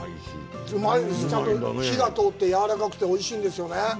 火が通って、やわらかくて、おいしいんですよね。